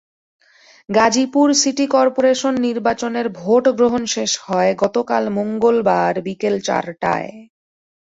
Gazipur city corporation নির্বাচনের ভোটগ্রহণ শেষ হয় গতকাল মঙ্গলবার বিকেল চারটায়।